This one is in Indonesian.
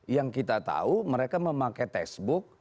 yang kita tahu mereka memakai facebook